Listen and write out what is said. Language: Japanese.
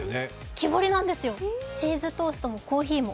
木彫りなんですよ、チーズトーストやコーヒーも。